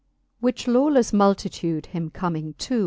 LII. Which lawleffe multitude him comming too.